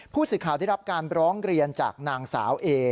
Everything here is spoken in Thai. ผู้สื่อข่าวได้รับการร้องเรียนจากนางสาวเอ